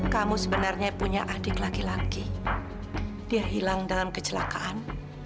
kamu sebenarnya punya adik laki laki dia hilang dalam kecelakaan